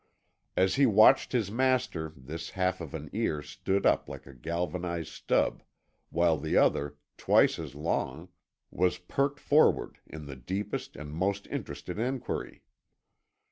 As he watched his master this half of an ear stood up like a galvanized stub, while the other twice as long was perked forward in the deepest and most interested enquiry.